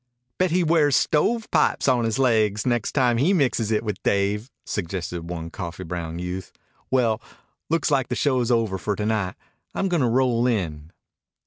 "Bet he wears stovepipes on his laigs next time he mixes it with Dave," suggested one coffee brown youth. "Well, looks like the show's over for to night. I'm gonna roll in."